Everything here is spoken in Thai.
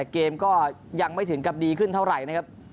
เกมก็ยังไม่ถึงกับดีขึ้นเท่าไหร่นะครับ